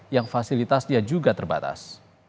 yang fasilitas dia juga terbatas